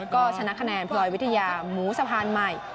ก็ชนะคะแนนพลอยวิทยาหมูสะพานใหม่